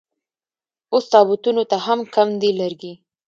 اوس تابوتونو ته هم کم دي لرګي